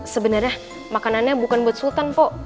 sebenernya makanannya bukan buat sultan mpo